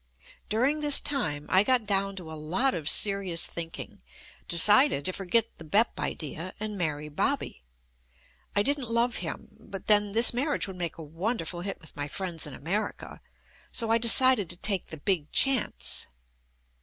During this time I got down to a lot of seri ous thinking, decided to forget the "Bep" idea and marry "Bobby." I didn't love him, but then this marriage would make a wonderful hit with my friends in America, so I decided to take the "big chance."